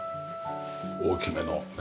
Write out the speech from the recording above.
大きめのね。